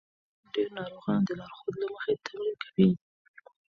ډېر ناروغان د لارښود له مخې تمرین کوي.